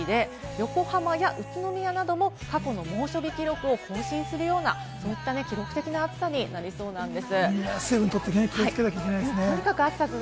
横浜や宇都宮なども過去の猛暑日記録を更新するような記録的な暑さになりそうです。